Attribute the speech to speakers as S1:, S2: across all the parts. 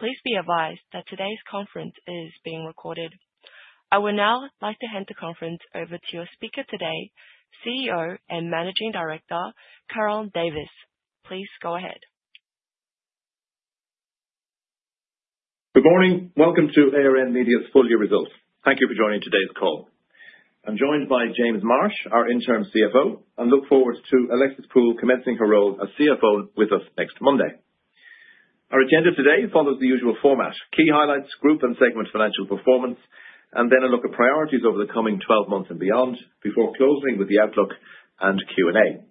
S1: Please be advised that today's conference is being recorded. I would now like to hand the conference over to your speaker today, CEO and Managing Director, Ciaran Davis. Please go ahead.
S2: Good morning. Welcome to ARN Media's full-year results. Thank you for joining today's call. I'm joined by James Marsh, our Interim CFO, and look forward to Alexis Poole commencing her role as CFO with us next Monday. Our agenda today follows the usual format: key highlights, group and segment financial performance, and then a look at priorities over the coming 12 months and beyond, before closing with the outlook and Q&A.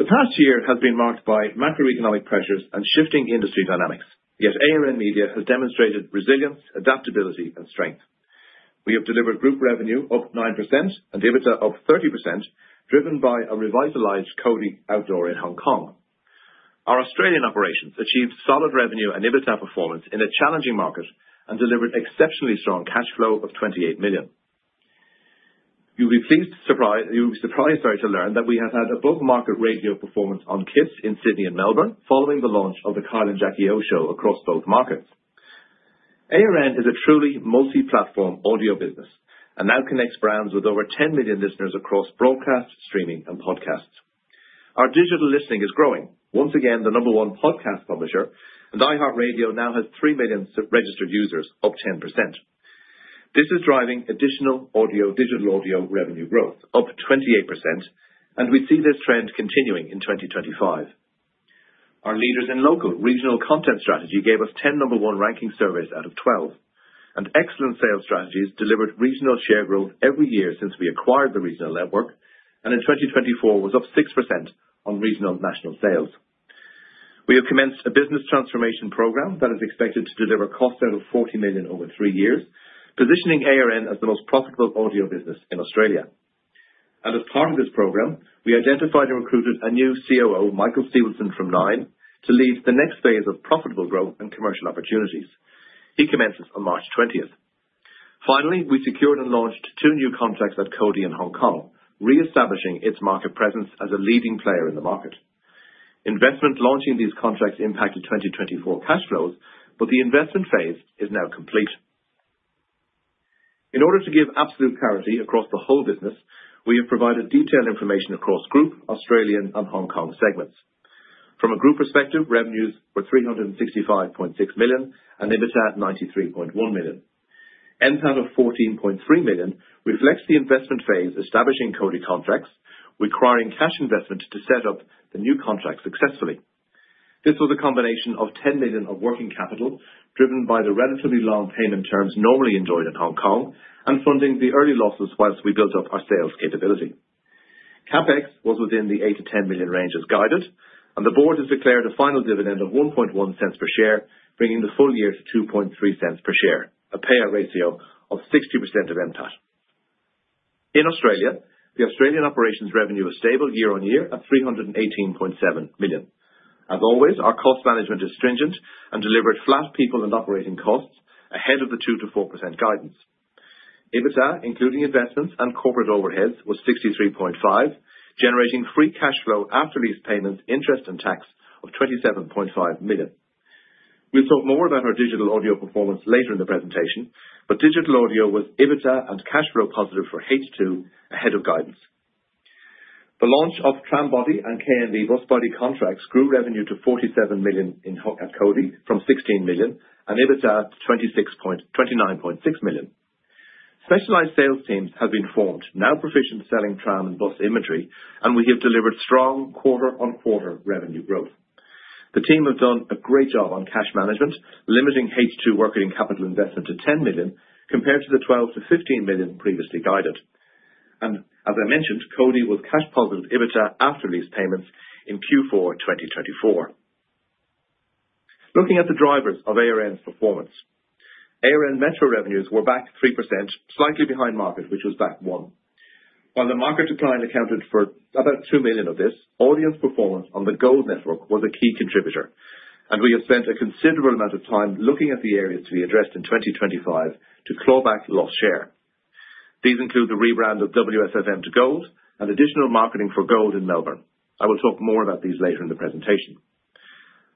S2: The past year has been marked by macroeconomic pressures and shifting industry dynamics, yet ARN Media has demonstrated resilience, adaptability, and strength. We have delivered group revenue of 9% and EBITDA of 30%, driven by a revitalized Cody Outdoor in Hong Kong. Our Australian operations achieved solid revenue and EBITDA performance in a challenging market and delivered exceptionally strong cash flow of 28 million. You'll be pleased to be surprised to learn that we have had above-market ratings performance on KIIS in Sydney and Melbourne, following the launch of The Kyle and Jackie O Show across both markets. ARN is a truly multi-platform audio business and now connects brands with over 10 million listeners across broadcast, streaming, and podcasts. Our digital listening is growing. Once again, the number one podcast publisher, and iHeartRadio now has 3 million registered users, up 10%. This is driving additional digital audio revenue growth, up 28%, and we see this trend continuing in 2025. Our leaders in local regional content strategy gave us 10 number one ranking surveys out of 12, and excellent sales strategies delivered regional share growth every year since we acquired the regional network, and in 2024 was up 6% on regional national sales. We have commenced a business transformation program that is expected to deliver costs out of 40 million over three years, positioning ARN as the most profitable audio business in Australia. As part of this program, we identified and recruited a new COO, Michael Stephenson from Nine Entertainment, to lead the next phase of profitable growth and commercial opportunities. He commences on March 20th. Finally, we secured and launched two new contracts at Cody Outdoor in Hong Kong, reestablishing its market presence as a leading player in the market. Investment launching these contracts impacted 2024 cash flows, but the investment phase is now complete. In order to give absolute clarity across the whole business, we have provided detailed information across group, Australian, and Hong Kong segments. From a group perspective, revenues were 365.6 million and EBITDA 93.1 million. NPAT of 14.3 million reflects the investment phase establishing Cody contracts, requiring cash investment to set up the new contract successfully. This was a combination of 10 million of working capital, driven by the relatively long payment terms normally enjoyed in Hong Kong, and funding the early losses whilst we built up our sales capability. CapEx was 8 million-10 million range as guided, and the board has declared a final dividend of 0.011 per share, bringing the full year to 0.023 per share, a payout ratio of 60% of NPAT. In Australia, the Australian operations revenue was stable year-on-year at 318.7 million. As always, our cost management is stringent and delivered flat people and operating costs ahead of the 2%-4% guidance. EBITDA, including investments and corporate overheads, was 63.5 million, generating free cash flow after lease payments, interest, and tax of 27.5 million. We will talk more about our digital audio performance later in the presentation, but digital audio was EBITDA and cash flow positive for H2 ahead of guidance. The launch of Tram Body and KMB bus body contracts grew revenue to 47 million at Cody from 16 million and EBITDA to 29.6 million. Specialized sales teams have been formed, now proficient in selling Tram and Boss imagery, and we have delivered strong quarter-on-quarter revenue growth. The team have done a great job on cash management, limiting H2 working capital investment to 10 million compared to the 12 million-15 million previously guided. As I mentioned, Cody was cash positive EBITDA after lease payments in Q4 2024. Looking at the drivers of ARN's performance, ARN Metro revenues were back 3%, slightly behind market, which was back 1%. While the market decline accounted for about 2 million of this, audience performance on the GOLD Network was a key contributor, and we have spent a considerable amount of time looking at the areas to be addressed in 2025 to claw back lost share. These include the rebrand of WSFM to GOLD and additional marketing for GOLD in Melbourne. I will talk more about these later in the presentation.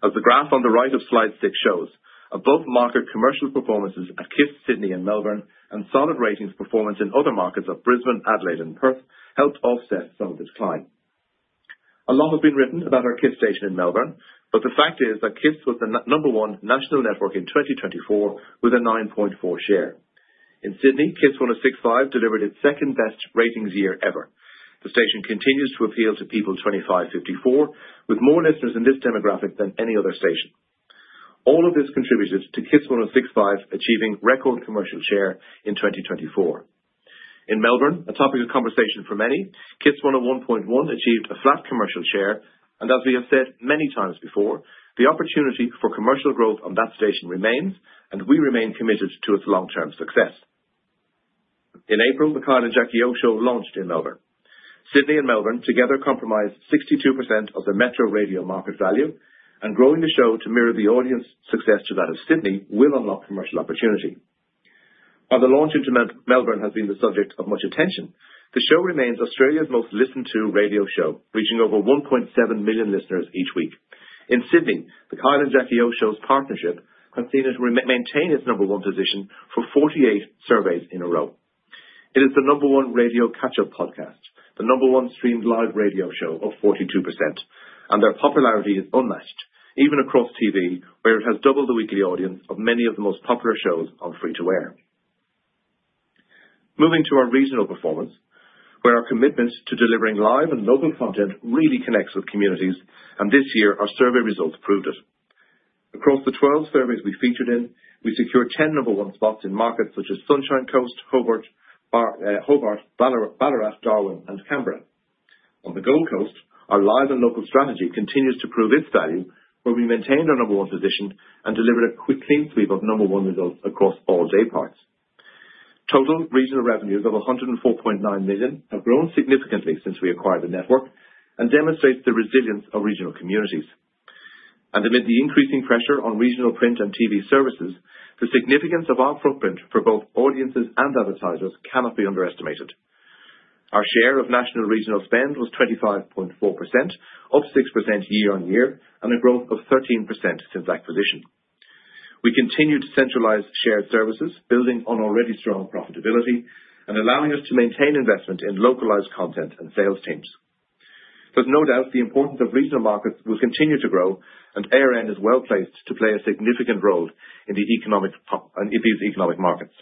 S2: As the graph on the right of slide 6 shows, above-market commercial performances at KIIS Sydney and Melbourne and solid ratings performance in other markets of Brisbane, Adelaide, and Perth helped offset some of the decline. A lot has been written about our KIIS station in Melbourne, but the fact is that KIIS was the number one national network in 2024 with a 9.4% share. In Sydney, KIIS 1065 delivered its second-best ratings year ever. The station continues to appeal to people 25 to 54, with more listeners in this demographic than any other station. All of this contributed to KIIS 1065 achieving record commercial share in 2024. In Melbourne, a topic of conversation for many, KIIS 1011 achieved a flat commercial share, and as we have said many times before, the opportunity for commercial growth on that station remains, and we remain committed to its long-term success. In April, The Kyle and Jackie O Show launched in Melbourne. Sydney and Melbourne together comprised 62% of the metro radio market value, and growing the show to mirror the audience success to that of Sydney will unlock commercial opportunity. While the launch into Melbourne has been the subject of much attention, the show remains Australia's most listened-to radio show, reaching over 1.7 million listeners each week. In Sydney, The Kyle and Jackie O Show's partnership has seen it maintain its number one position for 48 surveys in a row. It is the number one radio catch-up podcast, the number one streamed live radio show at 42%, and their popularity is unmatched, even across TV, where it has doubled the weekly audience of many of the most popular shows on free-to-air. Moving to our regional performance, where our commitment to delivering live and local content really connects with communities, and this year our survey results proved it. Across the 12 surveys we featured in, we secured 10 number one spots in markets such as Sunshine Coast, Hobart, Ballarat, Darwin, and Canberra. On the Gold Coast, our live and local strategy continues to prove its value, where we maintained our number one position and delivered a clean sweep of number one results across all day parts. Total regional revenues of 104.9 million have grown significantly since we acquired the network and demonstrate the resilience of regional communities. Amid the increasing pressure on regional print and TV services, the significance of our footprint for both audiences and advertisers cannot be underestimated. Our share of national regional spend was 25.4%, up 6% year-on-year, and a growth of 13% since acquisition. We continue to centralize shared services, building on already strong profitability and allowing us to maintain investment in localized content and sales teams. There's no doubt the importance of regional markets will continue to grow, and ARN is well placed to play a significant role in these economic markets.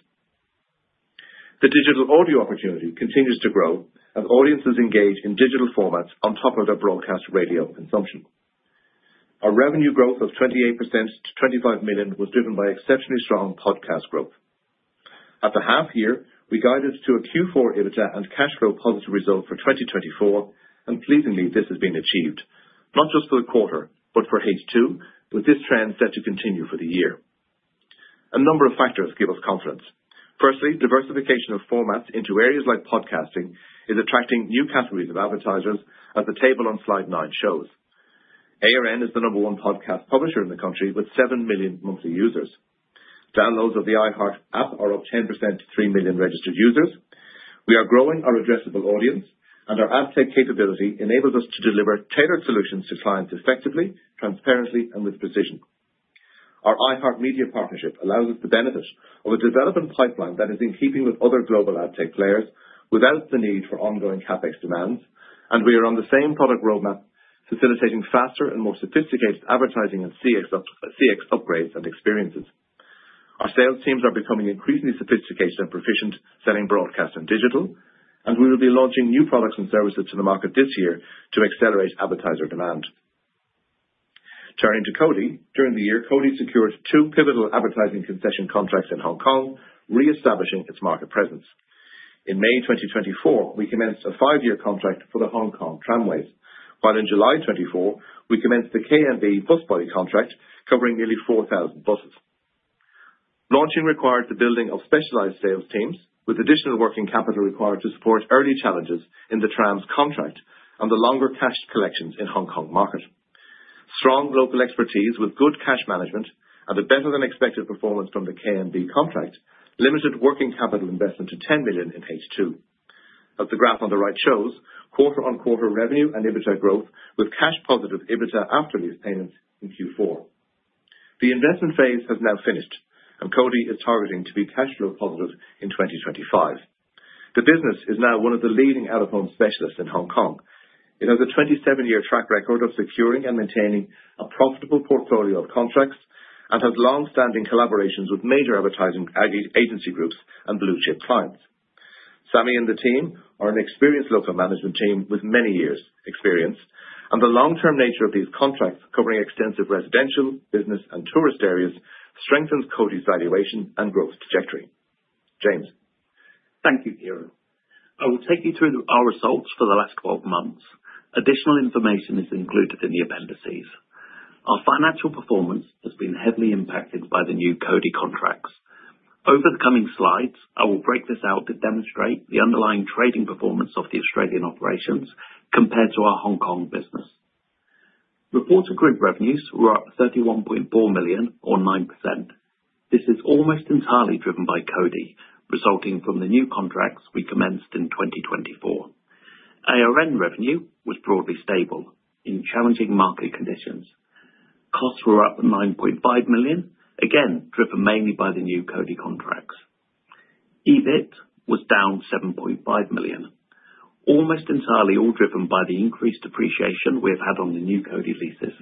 S2: The digital audio opportunity continues to grow as audiences engage in digital formats on top of their broadcast radio consumption. Our revenue growth of 28% to 25 million was driven by exceptionally strong podcast growth. At the half year, we guided to a Q4 EBITDA and cash flow positive result for 2024, and pleasingly, this has been achieved, not just for the quarter, but for H2, with this trend set to continue for the year. A number of factors give us confidence. Firstly, diversification of formats into areas like podcasting is attracting new categories of advertisers, as the table on slide 9 shows. ARN is the number one podcast publisher in the country with 7 million monthly users. Downloads of the iHeartRadio app are up 10% to 3 million registered users. We are growing our addressable audience, and our ad tech capability enables us to deliver tailored solutions to clients effectively, transparently, and with precision. Our iHeart Media partnership allows us to benefit from a development pipeline that is in keeping with other global ad tech players without the need for ongoing CapEx demands, and we are on the same product roadmap, facilitating faster and more sophisticated advertising and CX upgrades and experiences. Our sales teams are becoming increasingly sophisticated and proficient selling broadcast and digital, and we will be launching new products and services to the market this year to accelerate advertiser demand. Turning to Cody Outdoor, during the year, Cody Outdoor secured two pivotal advertising concession contracts in Hong Kong, reestablishing its market presence. In May 2024, we commenced a five-year contract for the Hong Kong Tramways, while in July 2024, we commenced the Kowloon Motor Bus contract covering nearly 4,000 buses. Launching required the building of specialized sales teams, with additional working capital required to support early challenges in the Tram's contract and the longer cash collections in the Hong Kong market. Strong local expertise with good cash management and a better-than-expected performance from the Kowloon Motor Bus contract limited working capital investment to 10 million in H2. As the graph on the right shows, quarter-on-quarter revenue and EBITDA growth with cash positive EBITDA after lease payments in Q4. The investment phase has now finished, and Cody is targeting to be cash flow positive in 2025. The business is now one of the leading out-of-home specialists in Hong Kong. It has a 27-year track record of securing and maintaining a profitable portfolio of contracts and has long-standing collaborations with major advertising agency groups and blue-chip clients. Sammy and the team are an experienced local management team with many years' experience, and the long-term nature of these contracts covering extensive residential, business, and tourist areas strengthens Cody's valuation and growth trajectory. James.
S3: Thank you, Ciaran. I will take you through our results for the last 12 months. Additional information is included in the appendices. Our financial performance has been heavily impacted by the new Cody contracts. Over the coming slides, I will break this out to demonstrate the underlying trading performance of the Australian operations compared to our Hong Kong business. Reported grid revenues were up 31.4 million, or 9%. This is almost entirely driven by Cody, resulting from the new contracts we commenced in 2024. ARN revenue was broadly stable in challenging market conditions. Costs were up 9.5 million, again driven mainly by the new Cody contracts. EBIT was down 7.5 million. Almost entirely all driven by the increased depreciation we have had on the new Cody leases.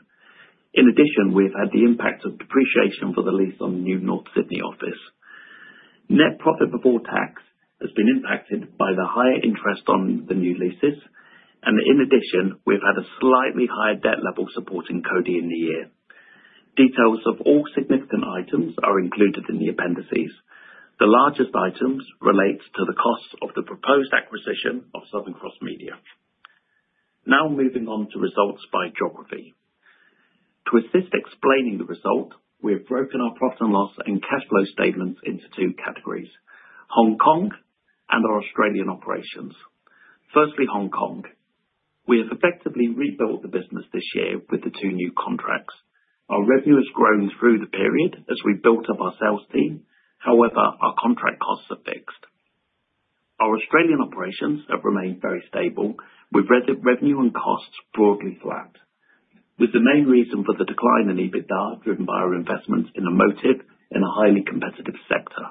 S3: In addition, we have had the impact of depreciation for the lease on the new North Sydney office. Net profit before tax has been impacted by the higher interest on the new leases, and in addition, we have had a slightly higher debt level supporting Cody in the year. Details of all significant items are included in the appendices. The largest items relate to the costs of the proposed acquisition of Southern Cross Austereo. Now moving on to results by geography. To assist explaining the result, we have broken our profit and loss and cash flow statements into two categories: Hong Kong and our Australian operations. Firstly, Hong Kong. We have effectively rebuilt the business this year with the two new contracts. Our revenue has grown through the period as we built up our sales team. However, our contract costs are fixed. Our Australian operations have remained very stable, with revenue and costs broadly flat, with the main reason for the decline in EBITDA driven by our investments in Emotive in a highly competitive sector.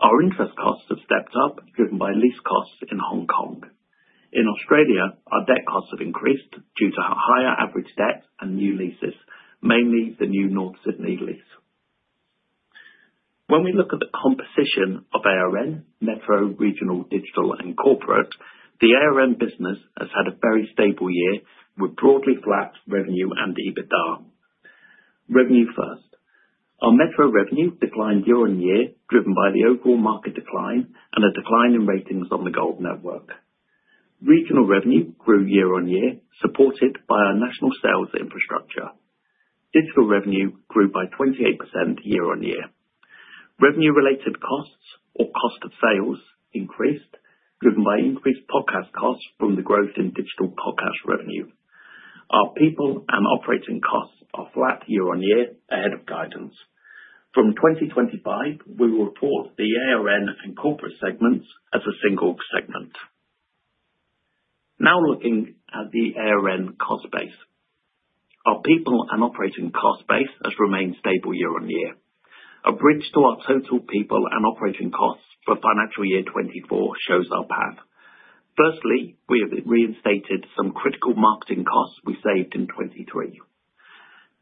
S3: Our interest costs have stepped up, driven by lease costs in Hong Kong. In Australia, our debt costs have increased due to higher average debt and new leases, mainly the new North Sydney lease. When we look at the composition of ARN, Metro, Regional, Digital, and Corporate, the ARN business has had a very stable year with broadly flat revenue and EBITDA. Revenue first. Our Metro revenue declined year-on-year, driven by the overall market decline and a decline in ratings on the GOLD Network. Regional revenue grew year-on-year, supported by our national sales infrastructure. Digital revenue grew by 28% year-on-year. Revenue-related costs, or cost of sales, increased, driven by increased podcast costs from the growth in digital podcast revenue. Our people and operating costs are flat year-on-year ahead of guidance. From 2025, we will report the ARN and Corporate segments as a single segment. Now looking at the ARN cost base. Our people and operating cost base has remained stable year-on-year. A bridge to our total people and operating costs for financial year 2024 shows our path. Firstly, we have reinstated some critical marketing costs we saved in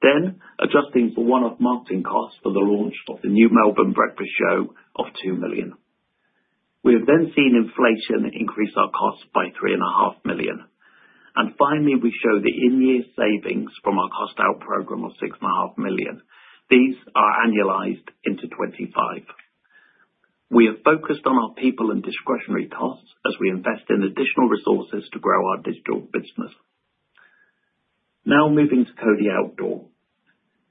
S3: 2023. Adjusting for one-off marketing costs for the launch of the new Melbourne Breakfast Show of 2 million, we have then seen inflation increase our costs by 3.5 million. Finally, we show the in-year savings from our cost-out program of 6.5 million. These are annualized into 2025. We have focused on our people and discretionary costs as we invest in additional resources to grow our digital business. Now moving to Cody Outdoor.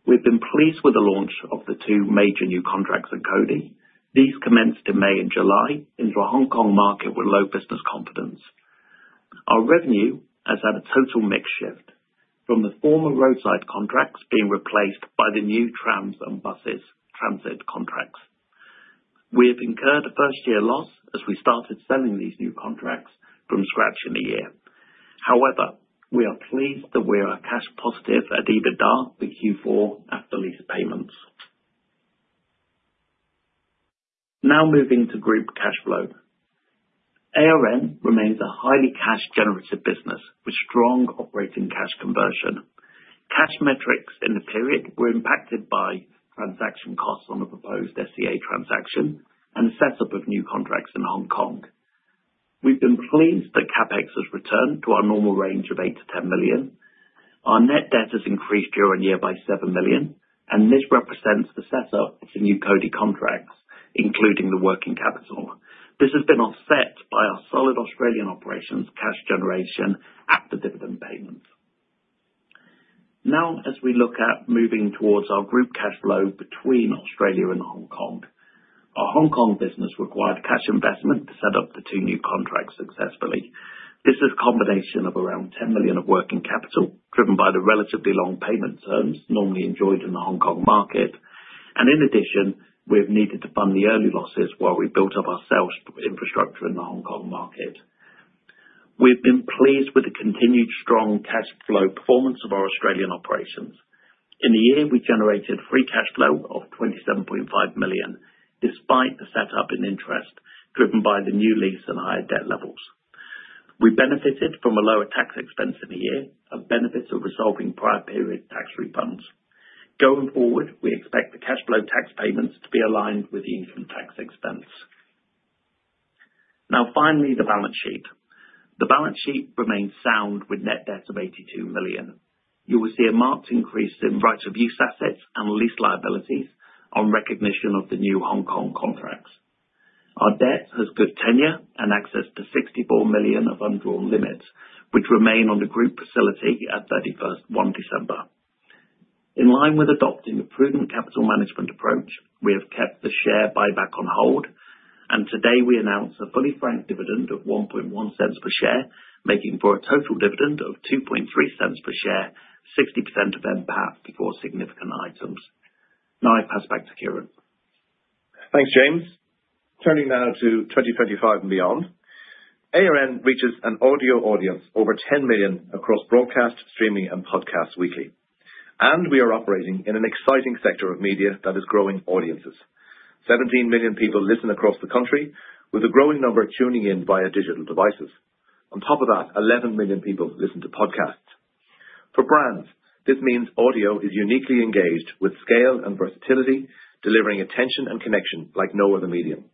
S3: We have been pleased with the launch of the two major new contracts at Cody. These commenced in May and July into a Hong Kong market with low business confidence. Our revenue has had a total mix shift, from the former roadside contracts being replaced by the new Trams and buses transit contracts. We have incurred a first-year loss as we started selling these new contracts from scratch in a year. However, we are pleased that we are cash positive at EBITDA for Q4 after lease payments. Now moving to group cash flow. ARN remains a highly cash-generative business with strong operating cash conversion. Cash metrics in the period were impacted by transaction costs on the proposed SCA transaction and the setup of new contracts in Hong Kong. We've been pleased that CapEx has returned to our normal range of 8 million-10 million. Our net debt has increased year-on-year by 7 million, and this represents the setup of the new Cody contracts, including the working capital. This has been offset by our solid Australian operations cash generation after dividend payments. Now, as we look at moving towards our group cash flow between Australia and Hong Kong, our Hong Kong business required cash investment to set up the two new contracts successfully. This is a combination of around 10 million of working capital, driven by the relatively long payment terms normally enjoyed in the Hong Kong market. In addition, we have needed to fund the early losses while we built up our sales infrastructure in the Hong Kong market. We've been pleased with the continued strong cash flow performance of our Australian operations. In the year, we generated free cash flow of 27.5 million, despite the step up in interest, driven by the new lease and higher debt levels. We benefited from a lower tax expense in the year and benefited from resolving prior period tax refunds. Going forward, we expect the cash flow tax payments to be aligned with the income tax expense. Now, finally, the balance sheet. The balance sheet remains sound with net debt of 82 million. You will see a marked increase in Right-of-Use assets and lease liabilities on recognition of the new Hong Kong contracts. Our debt has good tenure and access to 64 million of undrawn limits, which remain on the group facility at 31st 1 December. In line with adopting a prudent capital management approach, we have kept the share buyback on hold, and today we announce a fully franked dividend of 0.011 per share, making for a total dividend of 0.023 per share, 60% of NPAT before significant items. Now I pass back to Ciaran.
S2: Thanks, James. Turning now to 2025 and beyond, ARN reaches an audio audience over 10 million across broadcast, streaming, and podcasts weekly. We are operating in an exciting sector of media that is growing audiences. 17 million people listen across the country, with a growing number tuning in via digital devices. On top of that, 11 million people listen to podcasts. For brands, this means audio is uniquely engaged with scale and versatility, delivering attention and connection like no other medium.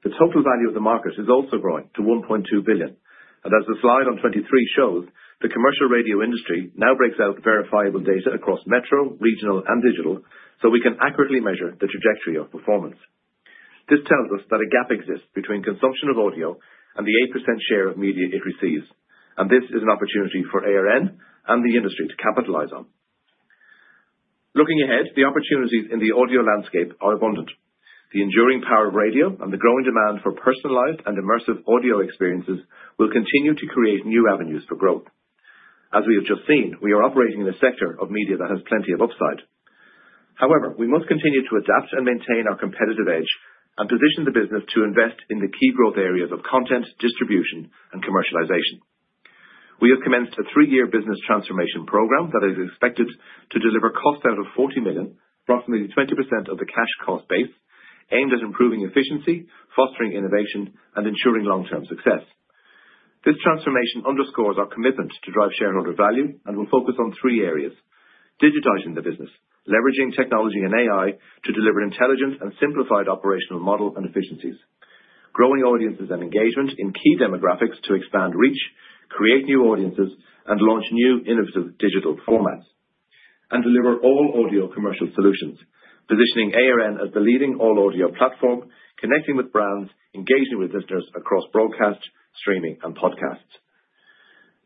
S2: The total value of the market is also growing to 1.2 billion. As the slide on 2023 shows, the commercial radio industry now breaks out verifiable data across Metro, Regional, and Digital, so we can accurately measure the trajectory of performance. This tells us that a gap exists between consumption of audio and the 8% share of media it receives, and this is an opportunity for ARN and the industry to capitalize on. Looking ahead, the opportunities in the audio landscape are abundant. The enduring power of radio and the growing demand for personalized and immersive audio experiences will continue to create new avenues for growth. As we have just seen, we are operating in a sector of media that has plenty of upside. However, we must continue to adapt and maintain our competitive edge and position the business to invest in the key growth areas of content, distribution, and commercialization. We have commenced a three-year business transformation program that is expected to deliver cost out of 40 million, roughly 20% of the cash cost base, aimed at improving efficiency, fostering innovation, and ensuring long-term success. This transformation underscores our commitment to drive shareholder value and will focus on three areas: digitizing the business, leveraging technology and AI to deliver intelligent and simplified operational model and efficiencies, growing audiences and engagement in key demographics to expand reach, create new audiences, and launch new innovative digital formats, and deliver all audio commercial solutions, positioning ARN as the leading all-audio platform, connecting with brands, engaging with listeners across broadcast, streaming, and podcasts.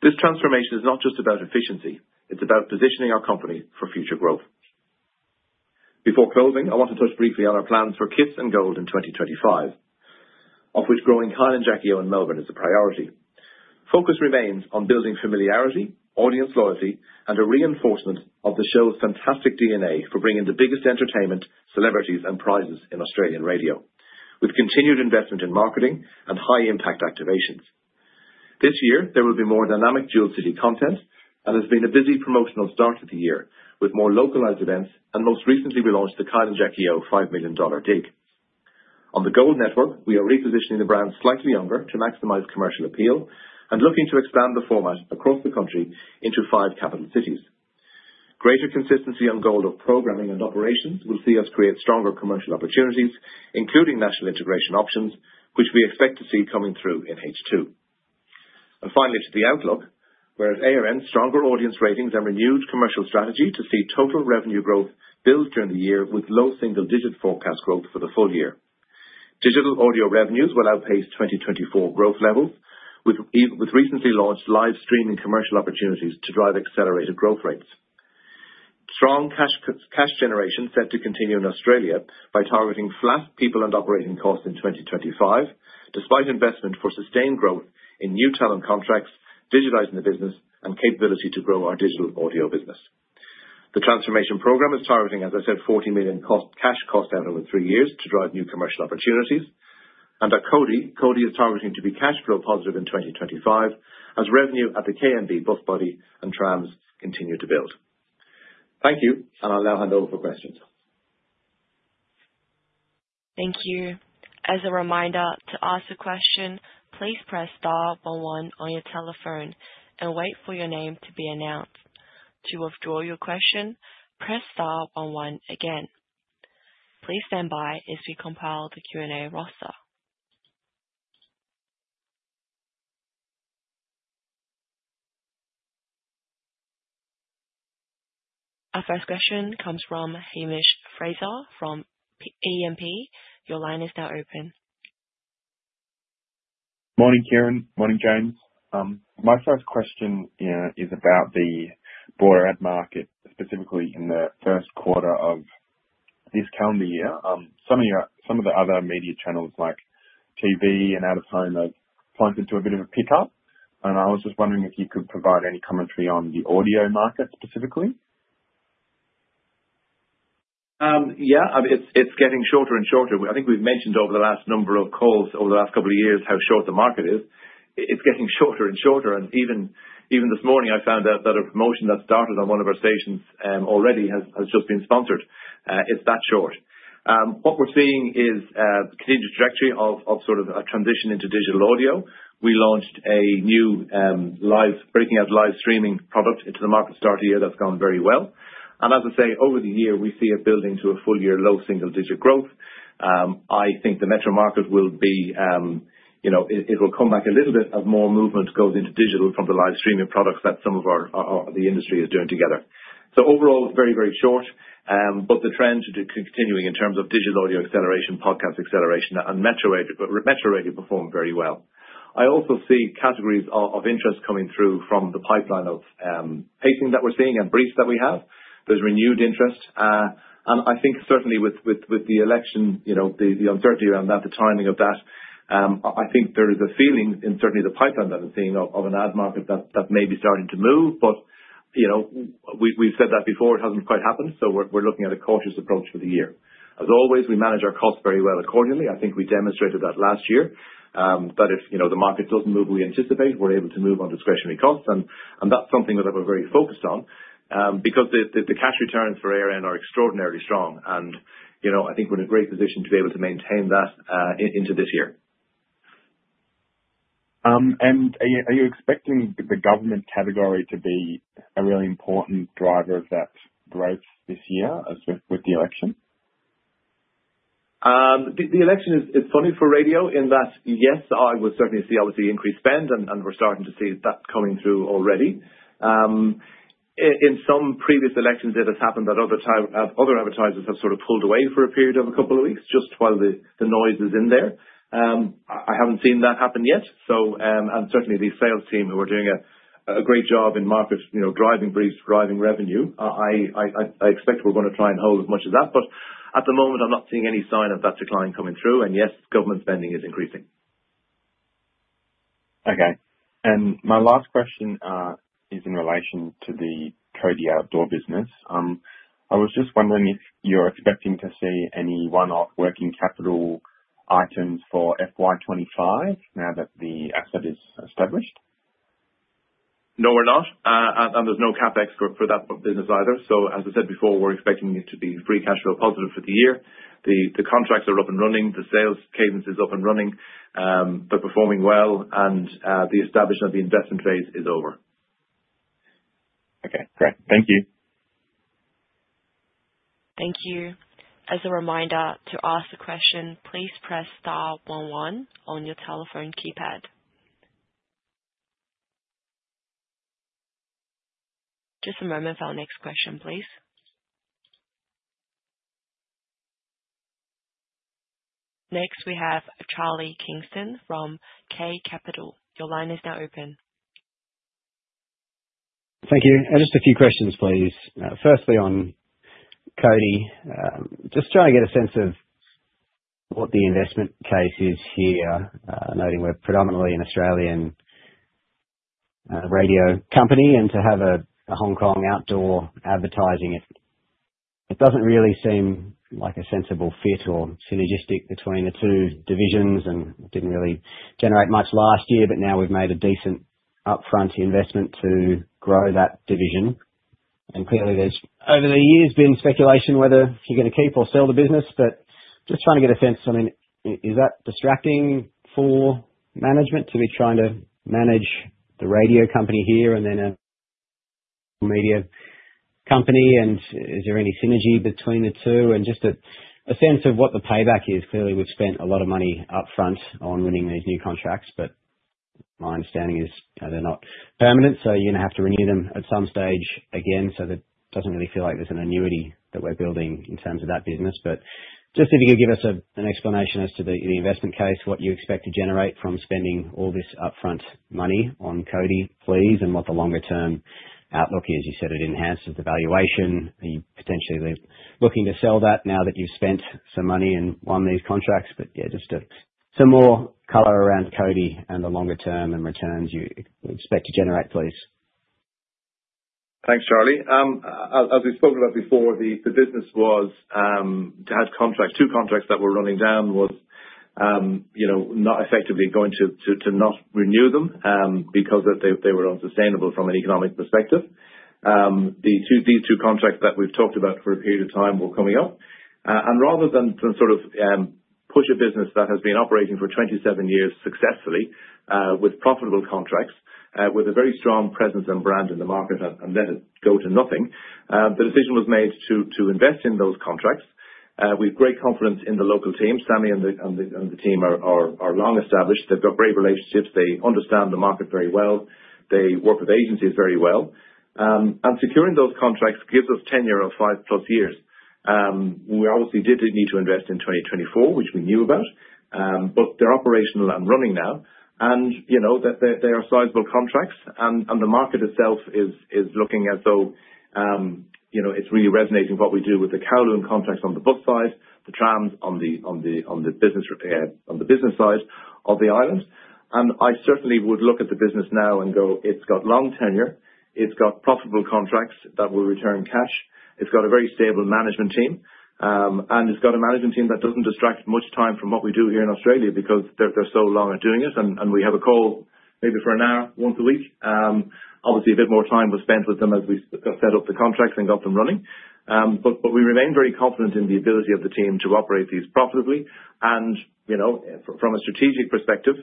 S2: This transformation is not just about efficiency; it's about positioning our company for future growth. Before closing, I want to touch briefly on our plans for KIIS and GOLD in 2025, of which growing Kyle and Jackie O in Melbourne is a priority. Focus remains on building familiarity, audience loyalty, and a reinforcement of the show's fantastic DNA for bringing the biggest entertainment, celebrities, and prizes in Australian radio, with continued investment in marketing and high-impact activations. This year, there will be more dynamic dual-city content and it has been a busy promotional start of the year with more localized events, and most recently, we launched The Kyle and Jackie O and $5 million Dawn Dig. On the GOLD Network, we are repositioning the brand slightly younger to maximize commercial appeal and looking to expand the format across the country into five capital cities. Greater consistency on GOLD of programming and operations will see us create stronger commercial opportunities, including national integration options, which we expect to see coming through in H2. Finally, to the outlook, whereas ARN's stronger audience ratings and renewed commercial strategy to see total revenue growth build during the year with low single-digit forecast growth for the full year. Digital audio revenues will outpace 2024 growth levels with recently launched live streaming commercial opportunities to drive accelerated growth rates. Strong cash generation set to continue in Australia by targeting flat people and operating costs in 2025, despite investment for sustained growth in new talent contracts, digitizing the business, and capability to grow our digital audio business. The transformation program is targeting, as I said, 40 million cash cost out over three years to drive new commercial opportunities. At Cody, Cody is targeting to be cash flow positive in 2025 as revenue at the KMB bus body and Trams continue to build. Thank you, and I'll now hand over for questions.
S1: Thank you. As a reminder, to ask a question, please press star one on your telephone and wait for your name to be announced. To withdraw your question, press star one again. Please stand by as we compile the Q&A roster. Our first question comes from Hamish Frazer from E&P. Your line is now open.
S4: Morning, Ciaran. Morning, James. My first question is about the broader ad market, specifically in the first quarter of this calendar year. Some of the other media channels, like TV and out of home, have pointed to a bit of a pickup, and I was just wondering if you could provide any commentary on the audio market specifically.
S2: Yeah, it's getting shorter and shorter. I think we've mentioned over the last number of calls, over the last couple of years, how short the market is. It's getting shorter and shorter, and even this morning, I found out that a promotion that started on one of our stations already has just been sponsored. It's that short. What we're seeing is a continued trajectory of sort of a transition into digital audio. We launched a new breaking out live streaming product into the market start of the year that's gone very well. As I say, over the year, we see it building to a full-year low single-digit growth. I think the Metro market will be—it will come back a little bit as more movement goes into digital from the live streaming products that some of the industry is doing together. Overall, very, very short, but the trend continuing in terms of digital audio acceleration, podcast acceleration, and Metro radio perform very well. I also see categories of interest coming through from the pipeline of pacing that we're seeing and briefs that we have. There's renewed interest. I think certainly with the election, the uncertainty around that, the timing of that, I think there is a feeling in certainly the pipeline that I'm seeing of an ad market that may be starting to move, but we've said that before, it hasn't quite happened, so we're looking at a cautious approach for the year. As always, we manage our costs very well accordingly. I think we demonstrated that last year, that if the market doesn't move we anticipate, we're able to move on discretionary costs, and that's something that we're very focused on because the cash returns for ARN are extraordinarily strong, and I think we're in a great position to be able to maintain that into this year.
S4: Are you expecting the government category to be a really important driver of that growth this year with the election?
S2: The election is funny for radio in that, yes, I would certainly see obviously increased spend, and we're starting to see that coming through already. In some previous elections, it has happened that other advertisers have sort of pulled away for a period of a couple of weeks just while the noise is in there. I haven't seen that happen yet, and certainly the sales team who are doing a great job in market driving briefs, driving revenue, I expect we're going to try and hold as much as that, but at the moment, I'm not seeing any sign of that decline coming through, and yes, government spending is increasing.
S4: Okay. My last question is in relation to the Cody Outdoor business. I was just wondering if you're expecting to see any one-off working capital items for FY 2025 now that the asset is established?
S2: No, we're not, and there's no CapEx for that business either. As I said before, we're expecting it to be free cash flow positive for the year. The contracts are up and running, the sales cadence is up and running, they're performing well, and the establishment of the investment phase is over.
S4: Okay. Great. Thank you.
S1: Thank you. As a reminder, to ask a question, please press star one on your telephone keypad. Just a moment for our next question, please. Next, we have Charlie Kingston from K Capital. Your line is now open.
S5: Thank you. Just a few questions, please. Firstly, on Cody, just trying to get a sense of what the investment case is here, noting we're predominantly an Australian radio company and to have a Hong Kong outdoor advertising it. It doesn't really seem like a sensible fit or synergistic between the two divisions, and it didn't really generate much last year, but now we've made a decent upfront investment to grow that division. Clearly, there's over the years been speculation whether you're going to keep or sell the business, but just trying to get a sense, I mean, is that distracting for management to be trying to manage the radio company here and then a media company? Is there any synergy between the two? Just a sense of what the payback is. Clearly, we've spent a lot of money upfront on winning these new contracts, but my understanding is they're not permanent, so you're going to have to renew them at some stage again. That doesn't really feel like there's an annuity that we're building in terms of that business. If you could give us an explanation as to the investment case, what you expect to generate from spending all this upfront money on Cody, please, and what the longer-term outlook is. You said it enhances the valuation. Are you potentially looking to sell that now that you've spent some money and won these contracts? Just some more color around Cody and the longer-term and returns you expect to generate, please.
S2: Thanks, Charlie. As we spoke about before, the business was to have two contracts that were running down, was not effectively going to not renew them because they were unsustainable from an economic perspective. These two contracts that we've talked about for a period of time were coming up. Rather than sort of push a business that has been operating for 27 years successfully with profitable contracts, with a very strong presence and brand in the market, and let it go to nothing, the decision was made to invest in those contracts. With great confidence in the local team, Sammy and the team are long established. They've got great relationships. They understand the market very well. They work with agencies very well. Securing those contracts gives us tenure of five-plus years. We obviously did need to invest in 2024, which we knew about, but they're operational and running now, and they are sizable contracts, and the market itself is looking as though it's really resonating what we do with the Kowloon contracts on the bus side, the Trams on the business side of the island. I certainly would look at the business now and go, it's got long tenure, it's got profitable contracts that will return cash, it's got a very stable management team, and it's got a management team that doesn't distract much time from what we do here in Australia because they're so long at doing it, and we have a call maybe for an hour once a week. Obviously, a bit more time was spent with them as we set up the contracts and got them running, but we remain very confident in the ability of the team to operate these profitably. From a strategic perspective,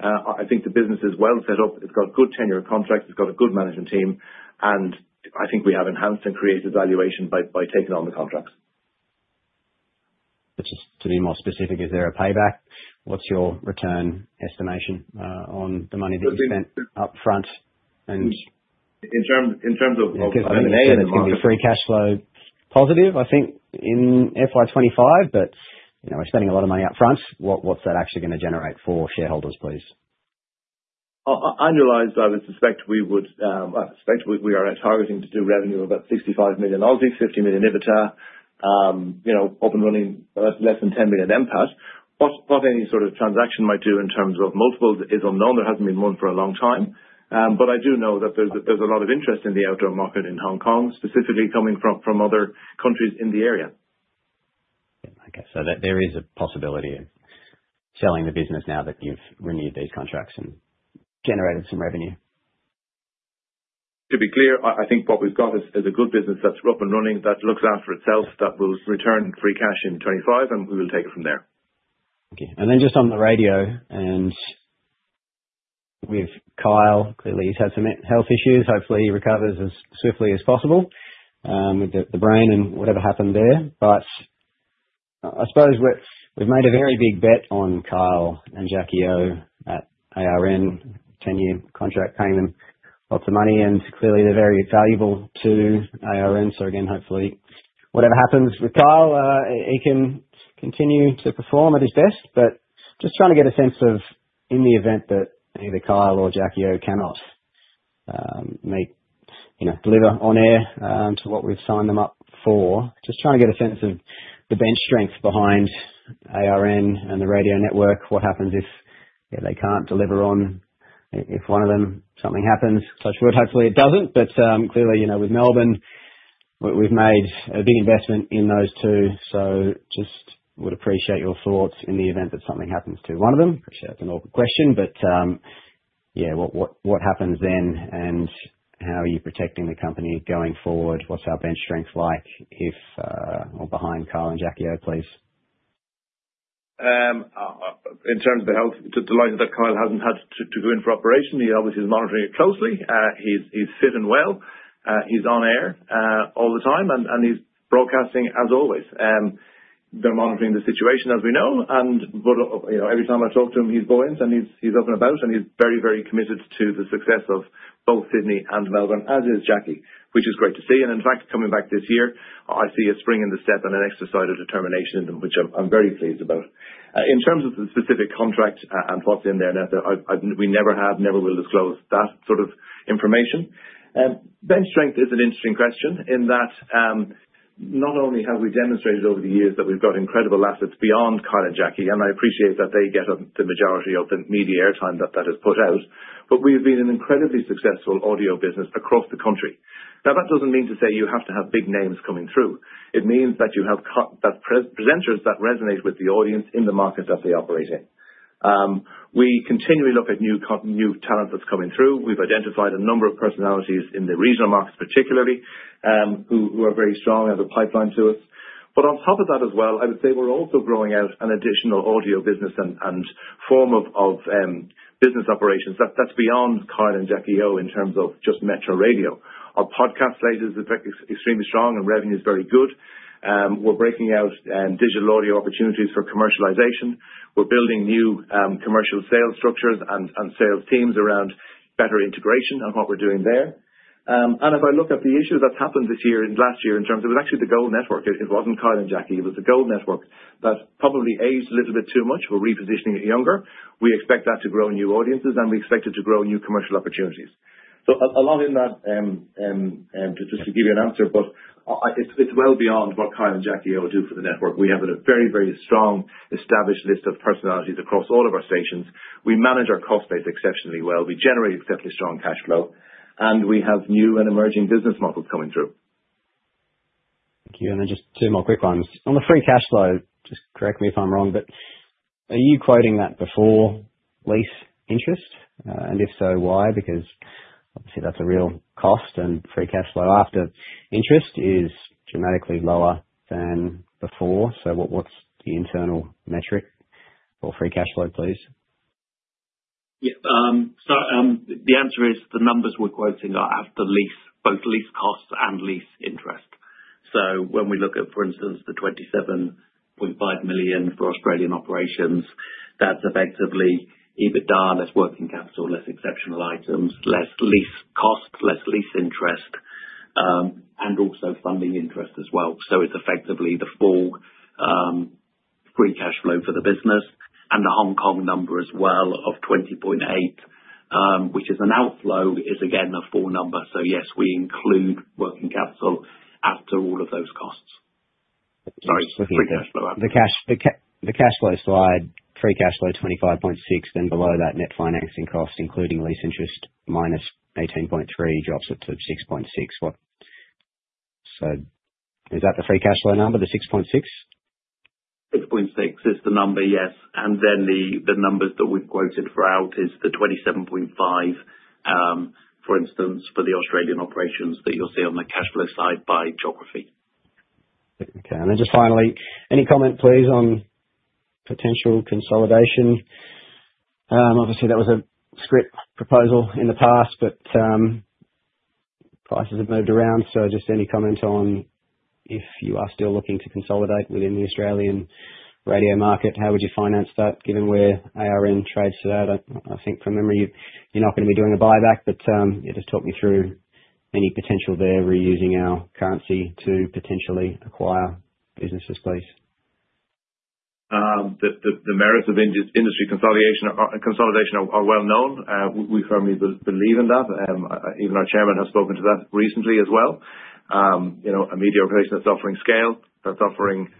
S2: I think the business is well set up. It has good tenure contracts. It has a good management team, and I think we have enhanced and created valuation by taking on the contracts.
S5: Just to be more specific, is there a payback? What's your return estimation on the money that you spent upfront?
S2: In terms of.
S5: In terms of free cash flow positive, I think in FY 2025, but we're spending a lot of money upfront. What's that actually going to generate for shareholders, please?
S2: Annualized, I would suspect we would expect we are targeting to do revenue of about 65 million, 50 million EBITDA, up and running less than 10 million NPAT. What any sort of transaction might do in terms of multiples is unknown. There has not been one for a long time, but I do know that there is a lot of interest in the outdoor market in Hong Kong, specifically coming from other countries in the area.
S5: Okay. There is a possibility of selling the business now that you've renewed these contracts and generated some revenue.
S2: To be clear, I think what we've got is a good business that's up and running that looks after itself, that will return free cash in 2025, and we will take it from there.
S5: Thank you. Then just on the radio, and with Kyle, clearly he's had some health issues. Hopefully, he recovers as swiftly as possible with the brain and whatever happened there. I suppose we've made a very big bet on Kyle and Jackie O at ARN, 10-year contract, paying them lots of money, and clearly they're very valuable to ARN. Again, hopefully, whatever happens with Kyle, he can continue to perform at his best, but just trying to get a sense of in the event that either Kyle or Jackie O cannot deliver on air to what we've signed them up for, just trying to get a sense of the bench strength behind ARN and the radio network, what happens if they can't deliver on, if one of them, something happens, such would. Hopefully, it doesn't, but clearly with Melbourne, we've made a big investment in those two, so just would appreciate your thoughts in the event that something happens to one of them. Appreciate that's an awkward question, but yeah, what happens then and how are you protecting the company going forward? What's our bench strength like if we're behind Kyle and Jackie O, please?
S2: In terms of the health, to the likes that Kyle hasn't had to go in for operation, he obviously is monitoring it closely. He's fit and well. He's on air all the time, and he's broadcasting as always. They're monitoring the situation as we know, but every time I talk to him, he's buoyant, and he's up and about, and he's very, very committed to the success of both Sydney and Melbourne, as is Jackie, which is great to see. In fact, coming back this year, I see a spring in the step and an exercise of determination, which I'm very pleased about. In terms of the specific contract and what's in there, we never have, never will disclose that sort of information. Bench strength is an interesting question in that not only have we demonstrated over the years that we've got incredible assets beyond Kyle and Jackie, and I appreciate that they get the majority of the media airtime that that has put out, but we have been an incredibly successful audio business across the country. That does not mean to say you have to have big names coming through. It means that you have presenters that resonate with the audience in the market that they operate in. We continually look at new talent that's coming through. We've identified a number of personalities in the regional markets, particularly, who are very strong as a pipeline to us. On top of that as well, I would say we're also growing out an additional audio business and form of business operations that's beyond Kyle and Jackie O in terms of just Metro radio. Our podcast latest is extremely strong, and revenue is very good. We're breaking out digital audio opportunities for commercialization. We're building new commercial sales structures and sales teams around better integration and what we're doing there. If I look at the issues that's happened this year and last year in terms of it was actually the GOLD Network. It wasn't Kyle and Jackie. It was the GOLD Network that probably aged a little bit too much. We're repositioning it younger. We expect that to grow new audiences, and we expect it to grow new commercial opportunities. A lot in that, just to give you an answer, but it's well beyond what Kyle and Jackie O do for the network. We have a very, very strong established list of personalities across all of our stations. We manage our cost base exceptionally well. We generate exceptionally strong cash flow, and we have new and emerging business models coming through.
S5: Thank you. Just two more quick ones. On the free cash flow, just correct me if I'm wrong, but are you quoting that before lease interest? If so, why? Because obviously that's a real cost, and free cash flow after interest is dramatically lower than before. What's the internal metric for free cash flow, please?
S2: Yeah. The answer is the numbers we're quoting are after lease, both lease costs and lease interest. When we look at, for instance, the 27.5 million for Australian operations, that's effectively EBITDA, less working capital, less exceptional items, less lease costs, less lease interest, and also funding interest as well. It's effectively the full free cash flow for the business, and the Hong Kong number as well of 20.8 million, which is an outflow, is again a full number. Yes, we include working capital after all of those costs. Sorry, free cash flow.
S5: The cash flow slide, free cash flow 25.6 million, then below that, net financing cost, including lease interest minus 18.3 million, drops it to 6.6 million. Is that the free cash flow number, the 6.6 million?
S2: 6.6 is the number, yes. The numbers that we've quoted for out is the 27.5, for instance, for the Australian operations that you'll see on the cash flow side by geography.
S5: Okay. Finally, any comment, please, on potential consolidation? Obviously, that was a script proposal in the past, but prices have moved around. Just any comment on if you are still looking to consolidate within the Australian radio market, how would you finance that given where ARN trades today? I think from memory, you're not going to be doing a buyback, but yeah, just talk me through any potential there reusing our currency to potentially acquire businesses, please.
S2: The merits of industry consolidation are well known. We firmly believe in that. Even our Chairman has spoken to that recently as well. A media operation that's offering scale, that's offering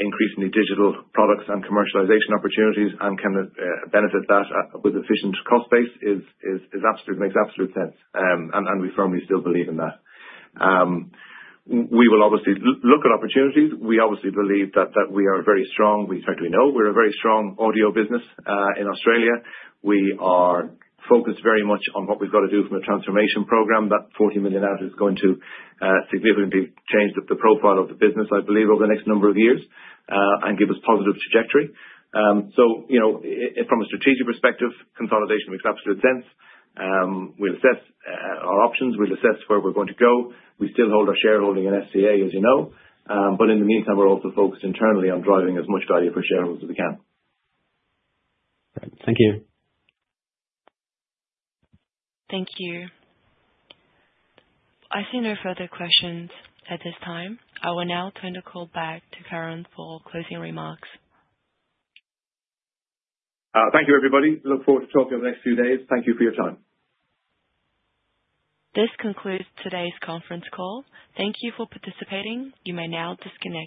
S2: increasingly digital products and commercialization opportunities and can benefit that with efficient cost base makes absolute sense, and we firmly still believe in that. We will obviously look at opportunities. We obviously believe that we are very strong. In fact, we know we're a very strong audio business in Australia. We are focused very much on what we've got to do from a transformation program that 40 million is going to significantly change the profile of the business, I believe, over the next number of years and give us positive trajectory. From a strategic perspective, consolidation makes absolute sense. We'll assess our options. We'll assess where we're going to go. We still hold our shareholding in FCA, as you know, but in the meantime, we're also focused internally on driving as much value for shareholders as we can.
S5: Thank you.
S1: Thank you. I see no further questions at this time. I will now turn the call back to Ciaran for closing remarks.
S2: Thank you, everybody. Look forward to talking over the next few days. Thank you for your time.
S1: This concludes today's conference call. Thank you for participating. You may now disconnect.